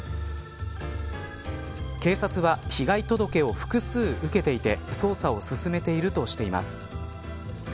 警察は、被害届を複数受けていて捜査を進めているとしています。